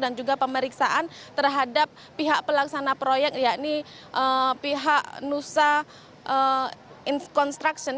dan juga pemeriksaan terhadap pihak pelaksana proyek yakni pihak nusa construction